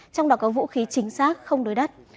trong đó có vũ khí chính xác không đối đất